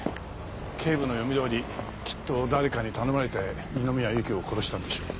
警部の読みどおりきっと誰かに頼まれて二宮ゆきを殺したんでしょう。